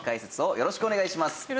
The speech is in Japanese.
よろしくお願いします。